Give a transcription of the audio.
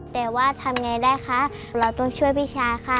แต่ว่าทำไงได้คะเราต้องช่วยพี่ชาค่ะ